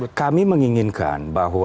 nah kami menginginkan bahwa